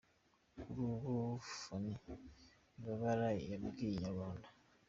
Kuri ubu Phanny Wibabara yabwiye inyarwanda.